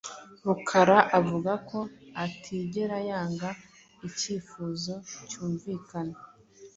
Rukara avuga ko atigera yanga icyifuzo cyumvikana.